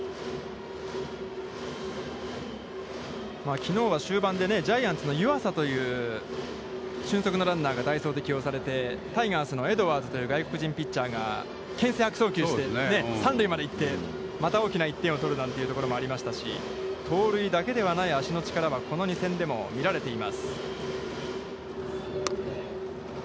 きのうは終盤で、ジャイアンツの湯浅という俊足のランナーが代走で起用されて、タイガースのエドワーズという外国人ピッチャーが牽制悪送球して、三塁まで行って、また大きな１点を取るなんてシーンもありましたし、盗塁だけではない足の力はこの２戦でも見られています。